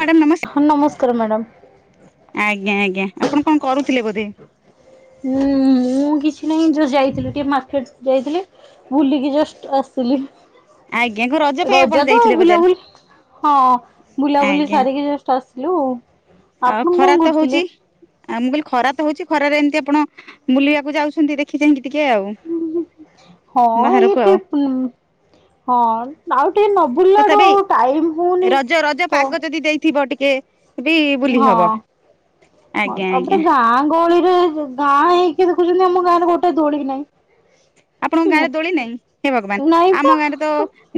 Madam ହଁ ନମସ୍କାର madam ନମସ୍କାର ଆଜ୍ଞା ଆଜ୍ଞା। ଆପଣ କଣ କରୁଥିଲେ ବୋଧେ? ହୁଁ। ମୁଁ କିଛି ନାହିଁ ଯଉ ଯାଇଥିଲି ଟିକେ ମାର୍କେଟ ଯାଇଥିଲି ବୁଲିକି ଜଷ୍ଟ ଆସିଲି। ଆଜ୍ଞା କଣ ପାଇଁ ଆପଣ ରଜ ଦ ଯାଇଥିଲେ ବୋଲା ବଜାର ବୁଲି ହଁ ବୁଲାବୁଲି ଆଜ୍ଞା ସାରିକି ଜଷ୍ଟ ଆସିଲୁ ଆଉ ଆପଣ ଖରା କଣ ତ ହଉଛି କରୁଥିଲେ? ଆଉ ମୁଁ ବିଲି ଖରା ତ ହଉଛି ଖରାରେ ଏମିତି ଆପଣ ବୁଲିବାକୁ ଯାଉଛନ୍ତି ଦେଖି ଚାହିଁକି ଟିକେ ଆଉ। ହଁ ଏଇ ବାହାରକୁ ଟି ଆଉ ହଁ ଆଉ ଟିକେ ନ ବୁଲିଲାଡୁ ତଥାପି ଆଉ ଟାଇମ ହଉନି ତ ସେ ବି ବୁଲି ହଁ। ହବ। ହଁ ଆଜ୍ଞା ତାପରେ ଆଜ୍ଞା ଗାଁ ଗହଳିରେ ଗାଁ ହେଇକି ଦେଖୁଛନ୍ତି ଆମ ଗାଁ ରେ ଗୋଟେ ଦୋଳି ନାହିଁ। ଆପଣଙ୍କ ଗାଁରେ ଦୋଳି ନାହିଁ ହେ ନାଇଁ ଭଗବାନ ପା ଆମ ଗାଁରେ ତ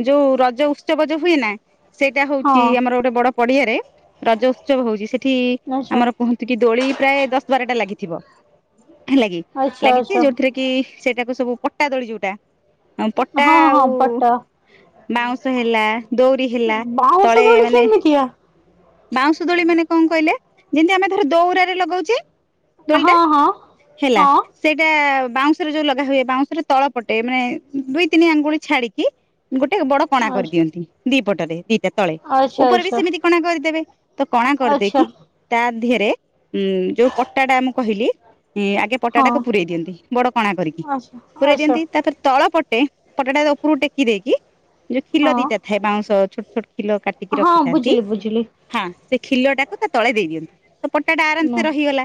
ଯୋଉ ରଜ ପତ୍ସବଜ ହୁଏ ନା ସେଇଟା ହଁ ହଉଛି ଆମର ଗୋଟେ ବଡ ପଡିଆରେ ରଜ ଉତ୍ସବ ହଉଛି ସେଠି ଆଚ୍ଛା ଆମର କୁହନ୍ତୁ କି ଦୋଳି ପ୍ରାୟ ଦଶ ବାରଟା ଲାଗିଥିବ। ହେଲାକି ଆଚ୍ଛା ଲାଗିଛି ଆଚ୍ଛା। ଯୋଉଥିରେ କି ସେଇଟାକୁ ସବୁ ପଟା ଦଳି ଯୋଉଟା। ହ ପଟା ହଁ ହଁ ଆଉ ପଟ ବାଉଁଶ ହେଲା ଦଉରି ହେଲା ବାଉଁଶ ତଳେ ଦୋଳି ମାନେ କେମିତିଆ? ବାଉଁଶ ଦୋଳି ମାନେ କଣ କହିଲେ ଯେମିତି ଆମେ ଧର ଦଉରାରେ ଲଗଉଛେ ହଁ ଦୋଳିଟା ହଁ ହେଲା ହଁ ସେଇଟା ବାଉଁଶରେ ଯୋଉ ଲଗା ହୁଏ ବାଉଁଶରେ ତଳ ପଟେ ମାନେ ଦୁଇ ତିନି ଆଙ୍ଗୁଳି ଛାଡିକି ଗୋଟେ ବଡ କଣା ଆଚ୍ଛା କରିଦିଅନ୍ତି ଦି ପଟରେ ଦିଟା ତଳେ ଉପରେ ବି ଆଚ୍ଛା ସେମିତି କଣା କରିଦେବେ ତ କଣା ଆଚ୍ଛା କରିଦେଇକି ତା ଦେହରେ ଉଁ ଯୋଉ ପଟା ଟା ମୁଁ କହିଲି ଁ ଆଗେ ହଁ ପଟାଟାକୁ ପୁରଇ ଦିଅନ୍ତି ବଡ କଣା କରିକି ଆଚ୍ଛା ପୁରେଇ ଆଚ୍ଛା ଦିଅନ୍ତି ତାପରେ ତଳ ପଟ ପଟାଟା ଉପରୁ ଟେକି ଦେଇକି ଯୋଉ କ୍ଷିଲ ହଁ ଦିଟା ଥାଏ ବାଉଁଶ ଛୋଟ କ୍ଷିଲ କାଟିକି ହଁ ରଖିଥାନ୍ତି ବୁଝିଲି ବୁଝିଲି ହଁ ସେ କ୍ଷିଲ ଟାକୁ ତା ତଳେ ଦେଇ ଦିଅନ୍ତି। ତ ପଟା ଟା ଆରାମ ସେ ରହିଗଲା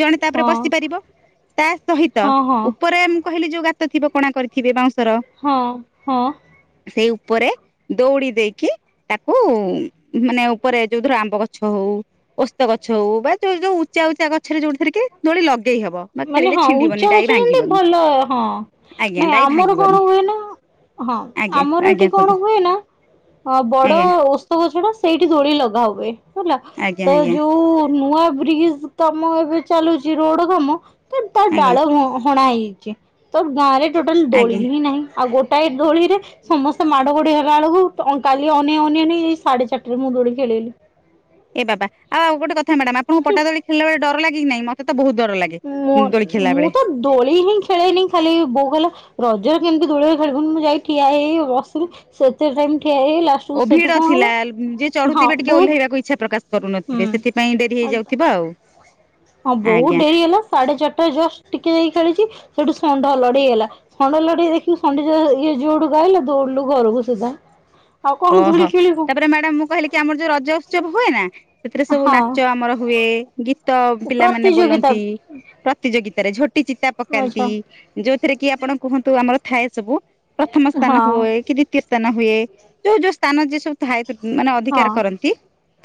ଜଣେ ତାପରେ ହଁ ବସି ପାରିବ। ତା ସହିତ ହଁ ହଁ ଉପରେ ମୁଁ କହିଲି ଯୋଉ ଗାତ ଥିବ କଣା କରିଥିବେ ବାଉଁସ ହଁ ହଁ। ସେଇ ଉପରେ ଦୌଡ଼ି ଦେଇକି ତାକୁ ମାନେ ଉପରେ ଯୋଉର ଆମ୍ବ ଗଛ ହଉ ଓସ୍ତ ଗଛ ହଉ ବା ଯୋଉ ଯୋଉ ଉଚା ଉଚା ଗଛରେ ଯୋଉଥିରେ କିଳି ଲଗେଇ ହବ ବା ମାନେ ଖେଳିଲେ ହଁ ଛିଣ୍ଡିବନି ଉଞ୍ଚା ଡାଇ ଗଛ ଯେମତି ଭାଙ୍ଗିବନି ଭଲ ହଁ। ଆଜ୍ଞା ନାଇଁ ଡାଇ ଆମର ଭାଙ୍ଗିବନି କଣ ହୁଏ ନା ହଁ ଆଜ୍ଞା ଆମର ଆଜ୍ଞା ଏଠି କୁହନ୍ତୁ କଣ ହୁଏ ନା ଅ ବଡ ଆଜ୍ଞା ଓସ୍ତ ଗଛ ଟା ସେଇଠି ଦୋଳି ଲଗା ହଉ। ହେଲା ଆଜ୍ଞା ତ ଆଜ୍ଞା ଯୋଉ ନୂଆ ବ୍ରିଜ କାମ ଏବେ ଚାଲୁଛି ରୋଡ କାମ ତ ତାର ଆଜ୍ଞା ଡାଳ ହଣା ହେଇଛି ତ ଗାଁ ରେ ଟୋଟାଲ ଦୋଳି ଆଜ୍ଞା ହିଁ ନାହିଁ। ଆଉ ଗୋଟାଏ ଦୋଳି ରେ ସମସ୍ତେ ମାଡ ଗୋଡି ହେଲା ବେଳକୁ କାଲି ଅନିଆ ଅନିଆ ନେଇ ଏଇ ସାଢେ ଚାରିରେ ମୁଁ ଦୋଳି ଖେଳିଲି। ଏ ବାବା ଆଉ ଗୋଟ କଥା୍ୟାଡାମ ଆପଣଙ୍କୁ ପଟାଦୋଳି ଖେିଲ ବେଳେଡ ଲାଗିହିଁ ମତେ ତ ବହୁତ ଡର ଲାଗେ ମୁଁ ଦୋଳି ଖେଳିଲା ମୁଁ ବେଳେ ତ ଦୋଳି ହିଁ ଖେଳେଇନି ଖାଲି ବୋଉ କଲେ ରଜରେ କେମିତି ଦୋଳରେ ଖେଳିବୁ ମୁଁ ଯାଇ ଠିଆ ହେଇ ବସ ସେତେ ଟାଇ ଠିଆ ହେଇ ଲା ଓ ଭିଡ ସେଠୁ କଣ ଥିଲା ହେଲା ଯିଏ ହଁ ଚଢୁଥିବେ ଟିକେ ଓହ୍ଲେଇବାକୁ ଇଚ୍ଛା ପ୍ରକାଶ କରୁନଥିବେ ବହୁତ ସେଥିପାଇଁ ଡେରି ହେଇଯାଉଥିବ ଆଉ। ହଁ ବହୁତ ଆଜ୍ଞା ଡେରି ହେଲା ସାଢେ ଚାରିଟା ଜଷ୍ଟ ଖେଳିଛି ସେଇଠୁ ଷଣ୍ଢ ଲଢେଇଗଲା ଷଣ୍ଢ ଲଢେଇ ଦେଖି ଷଣ୍ଡି ଇଏ ଯୋଉଠୁ ଗାଇଲା ଦ ଘରକୁ ସିଧା। ଆଉ କଣ ଦୋଳି ଓହୋ ଖେଳିବୁ ତାପରେ ମ୍ୟାଡାମ ମୁଁ କହିଲି କି ଆମର ଯୋଉ ରଜ ଉତ୍ସବ ହୁଏ ନା ସେଥିରେ ସବୁ ନାଚ ହଁ ଆମର ହୁଏ ଗୀତ ପିଲାମାନେ ପ୍ରତିଯୋଗିତା ବୋଲନ୍ତି ପ୍ରତିଯୋଗିତାରେ ଝୋଟ ୁଟି ଚିତା ଆଚ୍ଛା ପକାନ୍ତି ଯୋଉଥିରେ କି ଆପଣ କୁହନ୍ତୁ ଆମର ଥାଏ ସବୁ ପ୍ରଥମ ହଁ ସ୍ଥାନ ହୁଏ କି ଦ୍ଵିତୀୟ ସ୍ଥାନ ହୁଏ ଯୋଉ ଯୋଉ ସ୍ଥାନ ଯେ ସବୁ ମାନେ ହଁ ଅଧିକାର କରନ୍ତି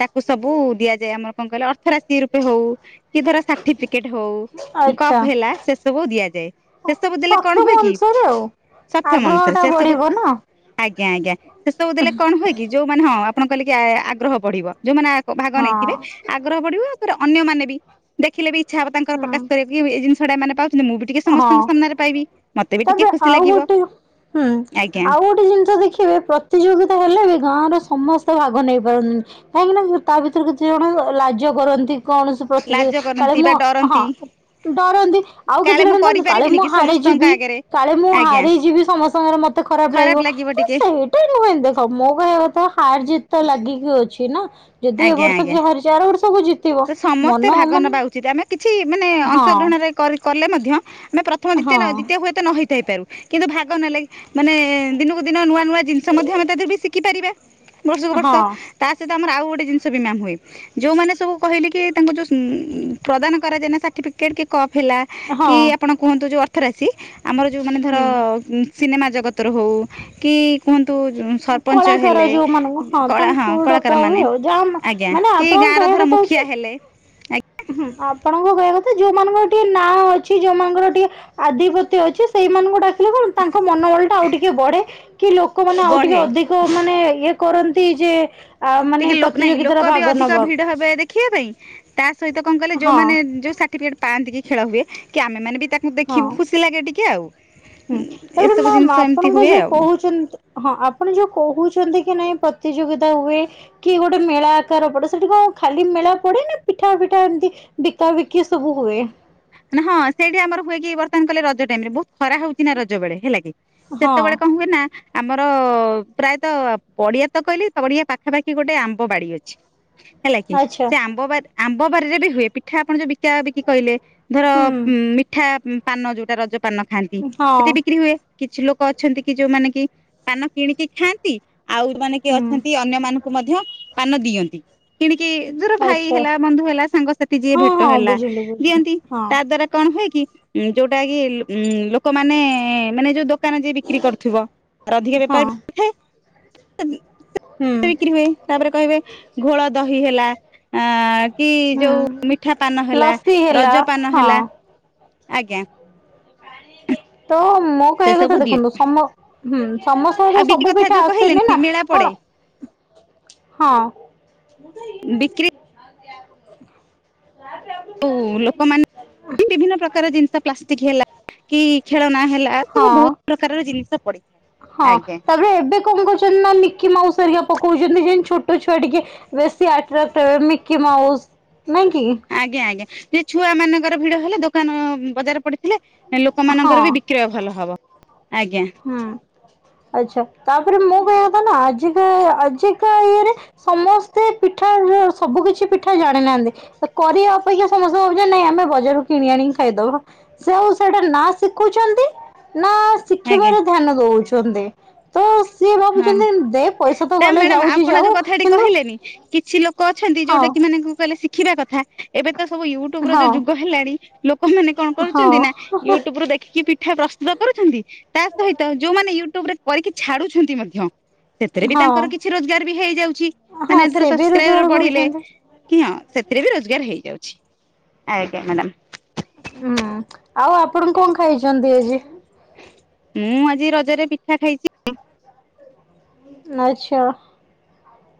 ତା କୁ ସବୁ ଦିଆଯାଏ ଆମର କଣ କହିଲେ ଅର୍ଥ ରାଶି ରୂପେ ହଉ କି ଧର ସାର୍ଟିଫିକେଟ ହଉ ଆଚ୍ଛା। କପ ହେଲା ସେ ସବୁ ଦିଆଯାଏ, ସେ ସବୁ ଦେଲେ କଣ ସକ୍ଷମ ହୁଏ କି ଅନୁସାରେ ଆଉ ସକ୍ଷମ ଆଗ୍ରହ ଅନୁସାରେ ଟା ସେ ସବୁ ବଢିବ ନା ଆଗ ଆଜ୍ଞା ଆଜ୍ଞା ସେ ସବୁ ଦେଲେ କଣ ହୁଏ କି ଯୋଉମାନେ ହଁ ଆପଣ କହିଲେ କି ଆଗ୍ରହ ବଢିବ ଯୋଉମାନେ ଆ ଭାଗ ହଁ ନେଇଥିବେ ଆଗ୍ରହ ବଢିବ ତାପରେ ଅନ୍ୟମାନେ ବି ଦେଖିଲେ ବି ଇଚ୍ଛା ହବ ତାଙ୍କର ହଁ ପ୍ରକାଶ କରିବାକୁ କି ଏଇ ଜିନିଷ ଛଡ ମାନେ ପାଉଛନ୍ତି, ମୁଁ ବି ଟିକେ ସମସ୍ତଙ୍କ ହଁ ସାମ୍ନାରେ ପାଇବି, ମତେ ବି ଟିକେ ତାପରେ ଖୁସି ଆଉ ଲାଗିବ। ଗୋଟେ ହୁଁ ଆଜ୍ଞା ଆଉ ଗୋଟେ ଜିନିଷ ଦେଖିବେ ପ୍ରତିଯୋଗି ହେଲେ ବି ଗାଁର ସମସ୍ତେ ଭାଗ ନେଇ ପାରନ୍ତିନି, କାହିଁକି ନା ତା ଭିତରେ କିଛି ଜଣ ଲାଜ କରନ୍ତି। କୌଣସି ଲାଜ ପ୍ରତିଯୋଗୀତା କହଲେ କରନ୍ତି ମୁଁ ବା ହଁ ଡରନ୍ତି ଡରନ୍ତି, ଆଉ ଜଣେ କାଳେ ମୁଁ ଜଣେ କହନ୍ତି କାଳେ କରିପାରିବିନି ମୁଁ କି ସମସ୍ତଙ୍କ ହାରିଯିବି ଆଗରେ କାଳେ ମୁଁ ଆଜ୍ଞା ହାରି ଯିବି ସମସ୍ତଙ୍କ ଆଗରେ ମତେ ଖରାପ ଲାଗିବ। ସେଇଟା ନୁହେଁ ଦେଖ ମୋ କହିବା କଥା ହାର ଜିତ ତ ଲାଗିକି ଅଛି ନା। ଯଦି ଏ ଆଜ୍ଞା ବର୍ଷ ଆଜ୍ଞା। କିଏ ହାରିଛି ଆର ବର୍ଷକୁ ଜିତିବ ତ ମନ ସମସ୍ତେ ଭାଗ ମାନେ ହଁ। ରେ କରେ କଲେ ମଧ୍ୟ ଆମେ ପ୍ରଥମ ଦ୍ୱିତୀୟ ହଁ ନ ହୁଏ ଦ୍ୱିତୀୟ ହୁଏତ ନ ହେଇଥାଇ ପାରୁ କିନ୍ତୁ ଭାଗ ନେଲେ ମାନେ ଦିନକୁ ଦିନ ନୂଆ ନୂଆ ଜିନିଷ ମଧ୍ୟ ଆମେ ତା ଦେହରୁ ବି ଶିଖି ପାରିବା। ବର୍ଷକୁ ହଁ ବର୍ଷ ତା ସହିତ ଆମର ଆଉ ଗୋଟେ ଜିନିଷ ବି ମ୍ୟାମ୍ ହୁଏ, ଯୋଉ ମାନେ ସବୁ କହିଲେ କି ତାଙ୍କ ଯୋଉ ପ୍ରଦାନ କରା ଯାଇନଥାଏ ସର୍ଟିଫିକେଟ କି କପ୍ ହେଲା ହଁ କି ଆପଣ କୁହନ୍ତୁ ଯେଉଁ ଅର୍ଥରାଶି ଆମର ଯୋଉ ମାନେ ଧର ହୁଁ। ସିନେମା ଜଗତରୁ ହଉ କି କୁହନ୍ତୁ ସରପଞ୍ଚ କଳାକାର ହେଲେ ଯୋଉମାନଙ୍କୁ କଳା ହଁ ତାଙ୍କୁ କଳାକାର ଡକା ହୁଏ ମାନେ ଆଉ ଯାହା ଆଜ୍ଞା ମାନେ କି ଗାଁ ଆପଣଙ୍କ ର କହିବା ଧର କଥା ହଉଛି ମୁଖିଆ ହେଲେ, ଆଗ ହୁଁ ଆପଣଙ୍କ କହିବା କଥା ଯୋଉମାନଙ୍କର ଟିକେ ନାଁ ଅଛି, ଯୋଉମାନଙ୍କର ଟିକେ ଆଧିପତ୍ୟ ଅଛି ସେଇ ସେମାନଙ୍କୁ ଡାକିଲେ କଣ ତାଙ୍କ ମନୋବଳ ଟା ଆଉ ଟିକେ ବଢେ କି ଲୋକମାନେ ଆଉ ଟିକେ ବଢେ ଅଧିକ ମାନେ ଇଏ କରନ୍ତି ଯେ ଆ ମାନେ ଟିକେ ଲୋକ ନାଇଁ ପ୍ରତିଯୋଗିତାରେ ଲୋକ ବି ଭାଗ ଅଧିକ ନବାକୁ ଭିଡ ହେବେ ଦେଖିବା ପାଇଁ ତା ସହିତ କଣ କହିଲେ ହଁ ଯୋଉମାନେ ଯେଉଁ ସାର୍ଟିଫିକେଟ୍ ପାଆନ୍ତି କି ଖେଳ ହୁଏ କି ଆମେମାନେ ବି ତାଙ୍କୁ ଦେଖିବୁ ହଁ। ଖୁସି ଲାଗେ ଟିକେ ଆଉ। ହୁଁ ତାପରେ ଏସବୁ ମାମ ଜିନିଷ ଏମିତି ଆପଣଙ୍କ ହୁଏ ଯୋଉ ଆଉ କହୁଛନ୍ତି ହଁ ଆପଣ ଯୋଉ କହୁଛନ୍ତି ନାଇଁ ପ୍ରତିଯୋଗିତା ହୁଏ କି ଗୋଟେ ମେଳା ଆକାର ପଡେ ସେଠି କଣ ଖାଲି ମେଳା ପଡେ ନା ପିଠା ଫି ଟା ଏମତି ବିକା ବିକି ସବୁ ହଏ? ନା ହଁ ସେଇଠି ଆମର ହୁଏ କି ବର୍ତ୍ତମାନ କଲେ ରଜ ଟାଇମ ରେ ବହୁତ ଖରା ହଉଛି ନା ରଜ ବେଳେ ହେଲା କି ହଁ ସେତେବେଳେ କଣ ହୁଏ ନା ଆମର ଆମର ପ୍ରାୟତ ପଡିଆ ତ କହିଲି ପଡିଆ ପାଖାପାଖି ଗୋଟେ ଆମ୍ବ ବାଡି ଅଛି। ହେଲା କି ଆଚ୍ଛା ସେ ଆମ୍ବବାରି ଆମ୍ବବାରିରେ ବି ହୁଏ ପିଠା ଆପଣ ଯୋଉ ବିକା ବିକି କହିଲେ ଧର ହୁଁ ମିଠା ପାନ ଯୋଉଟା ରଜ ପାନ ଖାଆନ୍ତି, ହଁ ସେଠି ବିକ୍ରି ହୁଏ। କିଛି ଲୋକ ଅଛନ୍ତି କି ଯୋଉମାନେ କି ପାନ କିଣିକି ଖାଆନ୍ତି ଆଉ ମାନେ କି ହୁଁ ଅଛନ୍ତି ଅନ୍ୟମାନଙ୍କୁ ମଧ୍ୟ ପାନ ଦିଅନ୍ତି, କିଣିକି କି ଯୋର ଭାଇ ଆଚ୍ଛା ହେଲା ବନ୍ଧୁ ହେଲା ସାଙ୍ଗସାଥି ଯିଏ ହଁ ଭେଟ ହଁ ହେଲା ବୁଝିଲି ବୁଝିଲି ଦିଅନ୍ତି, ହଁ ତା ଦ୍ଵାରା କଣ ହୁଏ କି ଯୋଉଟା କି ଉଁ ଲୋକମାନେ ମାନେ ଯୋଉ ଦୋକାନରେ ଯେ ବିକ୍ରି କରୁଥିବ ଅଧିକ ହଁ ବେପାରଥାଏ। ହୁଁ [inaudible] ବିକ୍ରି ହୁଏ ତାପରେ କହିବେ ଘୋଳ ଦହି ହେଲା ଆ କି ହୁଁ ଯୋଉ ମିଠା ପାନ ହେଲା ଲସି ହେଲା ରଜ ହଁ ହେଲା ଆଜ୍ଞା। ତ ମୋ ସେ କହିବା କଥା ସବୁ ଦିଅ ଦେଖନ୍ତୁ ସମ୍ଭବ ହୁଁ ସମସ୍ତଙ୍କୁ ତ ଆଉ ବିକ୍ରି ସବୁ କଥା ପିଠା ଯୋଉ ଆସେନି ନା କହିଲେନି ମେଳା କଣ ପଡେ ହଁ। ବିକ୍ରି ଆଉ ଲୋକମାନେ ବିଭିନ୍ନ ପ୍ରକାର ଜିନିଷ ପ୍ଲାଷ୍ଟିକ ହେଲା କି ଖେଳନା ହେଲା ସବୁ ହଁ ବହୁତ ପ୍ରକାରର ଜିନିଷ ପଡିଥାଏ। ହଁ ଆଜ୍ଞା ତାପରେ ଏବେ କଣ କରୁଛନ୍ତି ନା ମିକି ମାଉସ ହେରିକା ପକଉଛନ୍ତି, ଯେନ୍ତି ଛୋଟ ଛୁଆ ଟିକେ ବେଶୀ ଆଟ୍ରାକ୍ଟ ହେବେ ମିକି ମାଉସ ନାଇଁ କି? ସେ ଛୁଆ ମାନଙ୍କର ଭିଡ ହେଲେ ଦୋକାନ ବଜାର ପଡିଥିଲେ, ହଁ ଲୋକମାନଙ୍କର ବି ବିକ୍ରୟ ଭଲ ହବ। ଆଜ୍ଞା ହୁଁ ଆଚ୍ଛା ତାପରେ ମୁଁ କହିଆ କଥା ନା ଆ ଆଜିକା ଇଏରେ ସମସ୍ତେ ପିଠା ସବୁ କିଛି ପିଠା ଜାଣି ନାହାନ୍ତି କରିବା ଅପେକ୍ଷା ସମସ୍ତେ ଭାବୁଛନ୍ତି, ନାଇଁ ଆମେ ବଜାରକୁ କିଣି ଆଣିକି ଖାଇଦବା ସେ ଆଉ ସେଇଟା ନା ଶିଖୁଛନ୍ତି [inaudible] ନା ଆଜ୍ଞା ଶିଖିବାର ଧ୍ୟାନ ଦଉଛନ୍ତି ତ ସିଏ ହଁ ଭାବୁଛନ୍ତି ଦେ ପଇସା ତ ଗଲେ ମ୍ୟାଡ଼ାମ ଯାଉଛି ଆପଣ ଯାଉ ଯୋଉ କଥାଟି କିନ୍ତୁ କହିଲେନି, କିଛି ଲୋକ ଅଛନ୍ତି ହଁ ଯୋଉଟା କି ସେ ମାନଙ୍କୁ କହିଲେ ଶିଖିବା କଥା ଏବେ ତ ସବୁ ୟୁଟ୍ୟୁବ ର ଯୋଉ ହଁ। ଯୁଗ ହେଲାଣି, ଲୋକମାନେ କଣ ହଁ କରୁଛନ୍ତି ନା ୟୁଟ୍ୟୁବ ରୁ ଦେଖିକିି ବି ପିଠା ପ୍ରସ୍ତୁତ କରୁଛନ୍ତି ତା ସହିତ, ଯୋଉମାନେ ୟୁଟ୍ୟୁବ ରେ କରିକି ଛାଡୁଛନ୍ତି ମଧ୍ୟ ସେଥିରେ ବି ହଁ ତାଙ୍କର କିଛି ରୋଜଗାର ବି ହେଇଯାଉଛି, ହଁ ମାନେ ଧର ସେ ବି ସବସ୍କ୍ରାଇବର ରୋଜଗାର ବଢିଲେ କରୁଛନ୍ତି। କି ହଁ ସେଥିରେ ବି ରୋଜଗାର ହେଇଯାଉଛି ଆଜ୍ଞା ମ୍ୟାଡ଼ାମ ହୁଁ ଆଉ ଆପଣ କଣ ଖାଇଛନ୍ତି ଆଜି? ମୁଁ ଆଜି ରଜରେ ପିଠା ଖାଇଛି। ଆଚ୍ଛା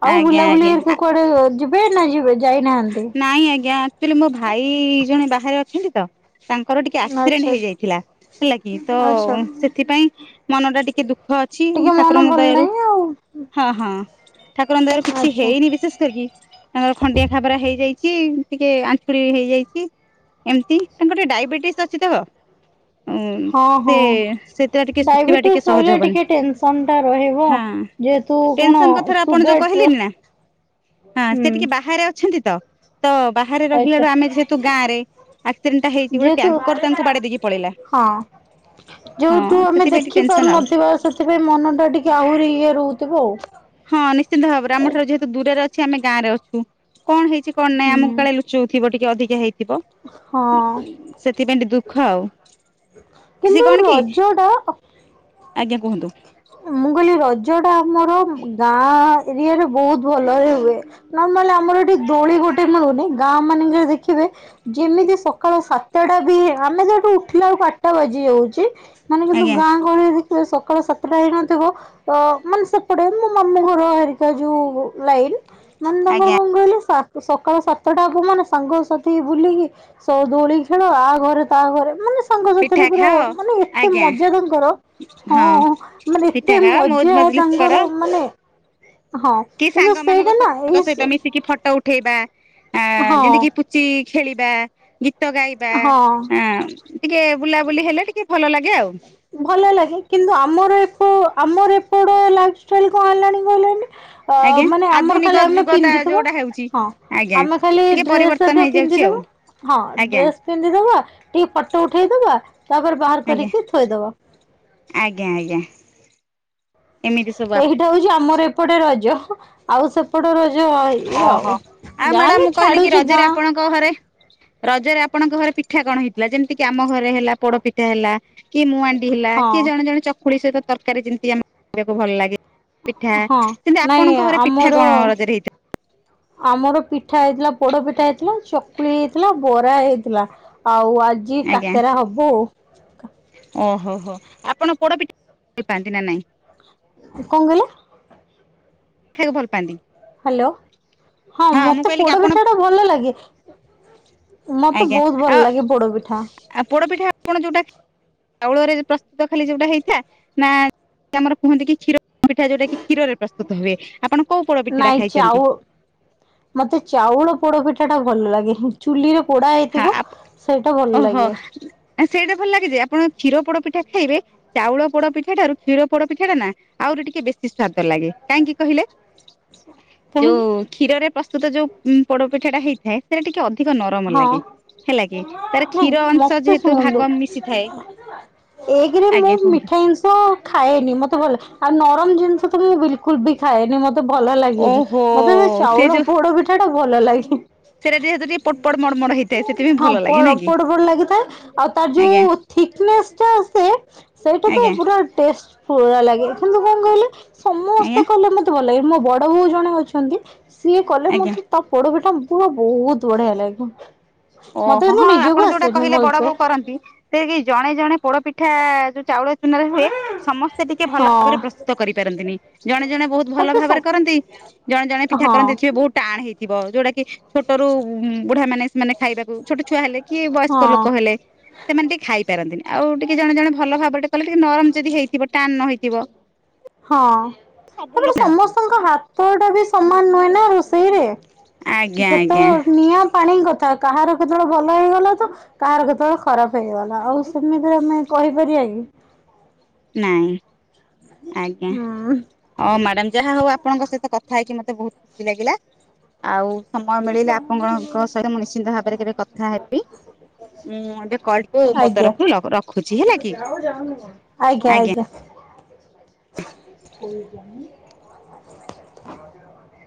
ଆଉ ଆଜ୍ଞା ବୁଲାବୁଲି ଆଜ୍ଞା ହେରିକା କୁଆଡେ, ଯିବେ ନା ଯିବେ ଯାଇନାହାନ୍ତି? ନାଇଁ ଆଜ୍ଞା ଆଚୁଆଲି ମୋ ଭାଇ ଜଣେ ବାହାରେ ଅଛନ୍ତି ତ ତାଙ୍କର ଟିକେ ଆଚ୍ଛା ଆକ୍ସିଡେଣ୍ଟ ହେଇଯାଇଥିଲା ହେଲା କି ତ ଆଚ୍ଛା ସେଥିପାଇଁ ମନ ଟା ଟିକେ ଦୁଃଖ ଅଛି ଟିକେ ମନ ଭଲ ଠାକୁରଙ୍କଦୟାରୁ ନାହିଁ ଆଉ ହଁ ହଁ ଠାକୁରଙ୍କ ଦୟାରୁ କିଛି ଆଚ୍ଛା। ହେଇନି ବିଶେଷ କରିକି ତାଙ୍କର ଖଣ୍ଡିଆ ଖାବରା ହେଇ ହେଇଛି ଟିକେ ଆଙ୍ଖୁରି ହେଇଯାଇଛି। ଏମତି ତାଙ୍କର ଟିକେ ଡାଇବେଟିସ ଅଛି ତ ଓ ହଁ ସେ ହଁ ସେଥିଟା ଟିକେ ଶୁଖିବା ଟିକେ ଡାଇବେଟିସ୍ ସହଜ ରହିଲେ ହବନି ଟିକେ ଟେନସନ ଟା ରହିବ। ହଁ ଯେହେତୁ କଣ ଟେନସନ କଥାରୁ ଆପଣ ଯୋଉ ସୁଗାର ଟା କହିଲେନି ନା ହଁ ହୁଁ ସେ ଟିକେ ବାହାରେ ଅଛନ୍ତି ତ ତ ବାହାରେ ଆଚ୍ଛା ରହିଲାଳୁ ଆମେ ଯେହେତୁ ଗାଁ ରେ ଆକ୍ସିଡେଣ୍ଟଟା ହେଇଛି, ଗୋଟେ ଯେହେତୁ ଟ୍ୟାଙ୍କର ତାଙ୍କୁ ବାଡେଇ ଦେଇକି ପଳେଇଲା ହଁ ହଁ ଯୋଉଠୁ ଆମେ ସେଥିପାଇଁ ଟିକେ ଦେଖି ଟେନସନ ଆଉ ପାରୁନଥିବା ସେଥିପାଇଁ ମନ ଟା ଟିକେ ଆହୁରି ଇଏ ରହୁଥିବ ଆଉ। ହଁ ନିଶ୍ଚିନ୍ତ ଭାବରେ ଆମ ଠାରୁ ଯେହେତୁ ଦୂରରେ ଅଛି ଆମେ ଗାଁ ରେ ଅଛୁ କଣ ହେଇଛି କଣ ନାଇଁ ହୁଁ। ଆମକୁ କାଳେ ଲୁଚଉଥିବ ଟିକେ ଅଧିକା ହେଇଥିବ ହଁ ସେଥିପାଇଁ ଟିକେ ଦୁଃଖ ଆଉ। ସେ କିନ୍ତୁ କଣ କି ରଜ ଟା ଆଜ୍ଞା କୁହନ୍ତୁ? କହିଲ ରଜ ଟା ଆମର ଗାଁ ଏରିଆରେ ବହୁତ ଭଲରେ ହୁଏ ନରମାଲ ଆମରି ଦୋଳି ଗୋଟେ ମିଳୁନି ଗାଁ ମାନଙ୍କରେ ଦେଖିବେ ଯେମିତି ସକାଳ ସାତଟା ବି ଆମେ ଯ ଠୁ ଉଠିଲା ଆଉ କାଟା ବାଜି ଯାଉଛି ମାନେ କିନ୍ତୁ ଆଜ୍ଞା ଗାଁ ଗହଳି ସକାଳ ସାତ ସେ ନଥିବ ଅ ମାନେ ସେପଟେ ମୋ ମାମୁ ଘର ହେରିକା ଯୋଉ ଲାଇନ ମାନେ ତାଙ୍କର ଆଜ୍ଞା କଣ କହିଲୁ ସା ସକାଳ ସାତଟାକୁ ମାନେ ସାଙ୍ଗସାଥି ବୁଲିକି, ସ ଦୋଳି ଖେଳ ଆ ଘରେ ତା ଘରେ ମାନେ ତାଙ୍କ ସାଥିରେ ପିଠା ପୁରା ଖାଅ ମାନେ ଏତେ ଆଜ୍ଞା ମଜା ତାଙ୍କର ହଁ ମାନେ ଏତେ ପିଠା ଖାଅ ମଉଜ ମଜା ମଜଲିସ୍ କର ତାଙ୍କର ମାନେ ହଁ କି କିନ୍ତୁ ସାଙ୍ଗ ମାନଙ୍କ ସେଇଟା ନା ସାଙ୍ଗ ଏଇ ସହିତ ମିଶିକି ଫଟୋ ଉଠୁ ଉଠେଇବା ଆ ହଁ ଯେମିତି କିି ପୁଚି ଖେଳିବା ଗୀତ ଗାଇବା ହଁ ଆ ଟିକେ ବୁଲାବୁଲି ହେଲେ ଟିକେ ଭଲ ଲାଗେ ଆଉ ଭଲ ଲାଗେ କିନ୍ତୁ ଆମର ଏ ଆମର ଏପଟ ଲାଇଫ ଷ୍ଟାଇଲ କଣ ହେଲାଣି କହିଲ ଆଜ୍ଞା ଅ ମାନେ ଆମର ଖାଲି ଆଧୁନିକ ଆମେ ଯୁଗତା ପିନ୍ଧିଥିବା ଯୋଉଟା ହେଉଛି ହଁ ଆଜ୍ଞା ଆମେ ଖାଲି ଟିକେ ଡ୍ରେସ ପରିବର୍ତ୍ତନ ହେରିକ ହେଇଯାଉଛି ପିନ୍ଧିଦବୁ ଆଉ ହଁ ଆଜ୍ଞା ଡ୍ରେସ ପିନ୍ଧିଦବା ଟିକେ ଫଟୋ ଉଠେଇଦବା ତାପରେ ବାହାର ଆଜ୍ଞା କରିକି ଥୋଇଦବା ଆଜ୍ଞା ଆଜ୍ଞା। ଏମିତି ସବୁ ଏଇଟା ହଉଛି ଆମର ଏପଟେ ରଜ ଆଉ ସେପଟ ରଜ ଆପଣ ଇଏ ଓହୋ ଆଉ ଆଉ ଯାଁ ମ୍ୟାଡାମ ହେଲେ ମୁଁ କହିଲି କି ଛାଡୁଛି ରଜରେ ଗାଁ ଆପଣଙ୍କ ଘରେ ରଜରେ ଆପଣଙ୍କ ଘରେ ପିଠା କଣ ହେଇଥିଲା? ଯେମିତି କିି ଆମ ଘରେ ହେଲା ପୋଡପିଠା ହେଲା କି ମୁଁ ଆଣ୍ଡି ହେଲା ହଁ କି ଜଣେ ଜଣେ ଚକୁଳି ସହିତ ତରକାରୀ ଯେମିତି ଆମେ ଖାଇକୁ ଭଲ ଲାଗେ ପିଠା ହଁ କିନ୍ତୁ ନାଇଁ ଆପଣଙ୍କ ଘରେ ପିଠା ଆମର କଣ ରଜରେ ହେଇ ଆମର ହଉ ଆଜି ଆଜ୍ଞା କାକରା ହବ। ଓହୋ ହୋ ଆପଣ ପୋଡପିଠା ଭଲପାଆନ୍ତି ନା ନାଇଁ? କଣ କହିଲ? ଖଇବାକୁ ଭଲ ପାଆନ୍ତିି। ହ୍ୟାଲୋ ହଁ ମତେ କହିଲି କି ଆପଣ ପୋଡପିଠା ଟା ଭଲ ଲାଗେ। ମତେ ଆଜ୍ଞା ବୋହୁତ ଆଉ ଭଲ ଲାଗେ ପୋଡ଼ ପିଠା। ଆଉ ପୋଡପିଠା ଆପଣ ଯୋଉଟା ଚାଉଳରେ ପ୍ରସ୍ତୁତ ଖାଲି ଯୋଉଟା ହେଇଥା ନା ଆମର କୁହନ୍ତି କି କ୍ଷୀର ପିଠା ଯୋଉଟା କି କ୍ଷୀରରେ ପ୍ରସ୍ତୁତ ହୁଏ ଆପଣ କୋଉ ପୋଡ ପିଠା ଟା ନାଇଁ ଖାଇଛନ୍ତି ଚାଉଳ ମତେ ଚାଉଳ ପୋଡ ପିଠା ଟା ଭଲ ଲାଗେ। ଚୁଲିରେ ପୋଡା ହଁ ହେଇଥିବ ସେଇଟା ଭଲ ଲାଗେ। ଆ ସେଇଟା ଭଲ ଲାଗେ ଯେ ଆପଣ କ୍ଷୀର ପୋଡ଼ପିଠା ଖାଇବେ ଚାଉଳ ପୋଡ ପିଠାଟାରୁ କ୍ଷୀର ପୋଡ ପିଠା ଟା ନା ଆହୁରି ଟିକେ ବେଶୀ ସ୍ଵାଦ ଲାଗେ କାହିଁକି କହିଲେ? ହ [inaudible] ଯୋଉ କ୍ଷୀରରେ ପ୍ରସ୍ତୁତ ଯୋଉ ପୋଡପିଠା ଟା ହେଇଥାଏ ସେଟା ଟିକେ ଅଧିକ ନରମ ହଁ ଲାଗେ ହେଲା କି ତାର ନାଇଁ କ୍ଷୀର ଅଂଶ ଯେହେତୁ ଭାଗ ମିଶିଥାଏ। ଏକେରେ ମୁଁ ଆଜ୍ଞା କୁହନ୍ତୁ। ମିଠା ଜିନିଷ ଖାଏନି, ମତେ ଭଲ ଆଉ ନରମ ଜିନିଷ ବିଲକୁଲ ବି ଖାଏନି ମତେ ଭଲ ଲାଗେନି, ଓହୋ। ମତେ ସେ ସିଏ ଚାଉଳ ଯୋଉ ପୋଡ ପିଠା ଟା ଭଲ ଲାଗେ। ସେଟା ସେତ ଟିକେ ପଡପଡ ମଡ଼ମଡ଼ ମରମର ହେଇଥାଏ। ସେଥିପାଇଁ ହଁ ଭଲ ଲାଗେ ପୋଡ ନାଇଁ କି ପଡ ଲାଗିଥାଏ ଆଉ ତାର ଆଜ୍ଞା ଯୋଉ ଥିକନେସ ଟା ଆସେ ସେ ଏଇଟା ତ ଆଜ୍ଞା ପୁରା ଟେଷ୍ଟ ପୁରା ଲାଗେ, କିନ୍ତୁ କଣ କହିଲେ ଆଜ୍ଞା ସମସ୍ତେ କଲେ ମତେ ଭଲ ଲାଗେ ମୋ ବଡ ବୋଉ ଜଣେ ଅଛନ୍ତି ସିଏ କଲେ ଆଜ୍ଞା। ମତେ ତା ପୋଡପଠା ପୁରା ବୋହୁତ ବଢିଆ ଲାଗେ। ମତେ ଓହୋ କିନ୍ତୁ ହଁ ଆପଣ ନିଜକୁ ଯୋଉଟା ଆସେନି କହିଲେ ବଡ ଭଲସେ ବୋଉ କରନ୍ତି ସେ କି ଜଣେ ଜଣେ ପୋଡପିଠା ଯୋଉ ଚାଉଳ ଚୁନାରେ ହୁଏ ସମସ୍ତେ ଟିକେ ଭଲ ହଁ ଭାବରେ ପ୍ରସ୍ତୁତ କରିପାରନ୍ତିନି ଜଣେ ଜଣେ ବୋହୁତ ଭଲ ତାପରେ ସ ଭାବରେ କରନ୍ତି, ଜଣେ ଜଣେ ପିଠା ହଁ କରନ୍ତିଥିବେ ବୋହୁତ ଟାଣ ହେଇଥିବ ଯୋଉଟା କି ଛୋଟରୁ ବୁଢା ମାନେ ସେମାନେେ ଖାଇବାକୁ ଛୋଟ ଛୁଆ ହେଲେ କି ବୟସ୍କ ହଁ। ଲୋକ ହେଲେ ସେମାନେ ଟିକେ ଖାଇପାରନ୍ତିନି ଆଉ ଟିକେ ଜଣେ ଜଣେ ଭଲ ଭାବରେ ଟିକେ କଲେ ଟିକେ ନରମ ଯଦି ହେଇଥିବ ଟାଣ ନ ହେଇଥିବ ହଁ ସବୁ ଲୋକ ତାପରେ ସମସ୍ତଙ୍କ ହାତ ଟା ବି ସମାନ ନୁହେଁ ନା ରୋଷେଇରେ ଆଜ୍ଞା କେତ ଆଜ୍ଞା ନିଆଁ ପାଣି କଥା। କାହାର କେତେବେଳେ ଭଲ ହେଇଗଲା ତ କାହାର କେତେବେଳେ ଖରାପ ହେଇଗଲା, ଆଉ ସେମିତିରେ ଆମେ କହିପାରିବା କି? ନାଇଁ। ଆଜ୍ଞା ହୁଁ ହଁ ମ୍ୟାଡାାମ ଯାହା ହଉ ଆପଣଙ୍କ ସହିତ କଥା ହେଇକି ମତେ ମତେ ବହୁତ ଖୁସି ଲାଗିଲା। ଆଉ ସମୟ ମିଳିଲେ ଆପଣଙ୍କଙ୍କ ସହିତ ମୁ ନିଶ୍ଚିନ୍ତ ଭାବରେ କେବେ କଥା ହେବି। ଉୁଁ ଏବେ କଲକୁ ମୋ ଆଜ୍ଞା ତରଫରୁ ରଖୁଛି ହେଲା କି? ଆଜ୍ଞା ଆଜ୍ଞା। [inaudible]